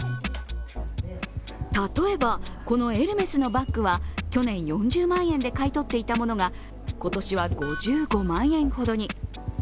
例えば、このエルメスのバッグは去年４０万円で買い取っていたものが今年は５５万円ほどに。